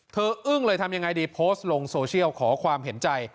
อึ้งเลยทำยังไงดีโพสต์ลงโซเชียลขอความเห็นใจ